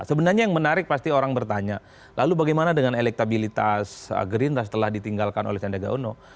sebenarnya yang menarik pasti orang bertanya lalu bagaimana dengan elektabilitas gerindra setelah ditinggalkan oleh sendega uno